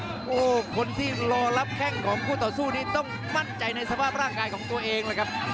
โอ้โหคนที่รอรับแข้งของคู่ต่อสู้นี้ต้องมั่นใจในสภาพร่างกายของตัวเองเลยครับ